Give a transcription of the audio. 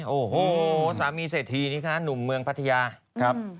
โอ้โหสามีเศรษฐีนี่คะหนุ่มเมืองพัทยาครับ